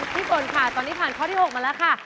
ฝนค่ะตอนนี้ผ่านข้อที่๖มาแล้วค่ะ